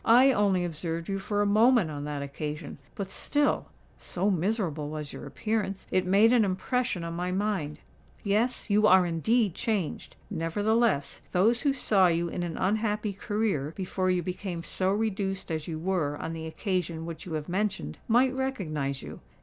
"I only observed you for a moment on that occasion; but still—so miserable was your appearance—it made an impression on my mind. Yes—you are indeed changed! Nevertheless, those who saw you in an unhappy career, before you became so reduced as you were on the occasion which you have mentioned, might recognise you.